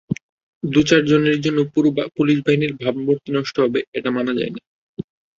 দুই-চারজনের জন্য পুরো পুলিশ বাহিনীর ভাবমূর্তি নষ্ট হবে, এটা মানা যায় না।